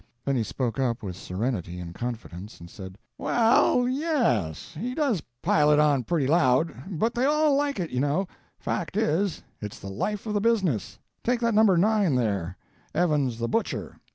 Then he spoke up with serenity and confidence, and said: "Well, yes, he does pile it on pretty loud; but they all like it, you know—fact is, it's the life of the business. Take that No. 9, there, Evans the butcher.